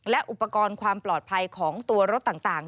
และอุปกรณ์ความปลอดภัยของตัวรถต่าง